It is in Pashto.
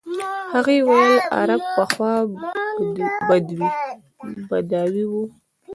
هغې ویل عرب پخوا بدوي وو.